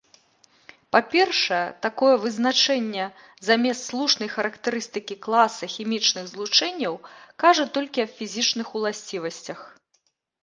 Па-першае, такое вызначэнне замест слушнай характарыстыкі класа хімічных злучэнняў кажа толькі аб фізічных уласцівасцях.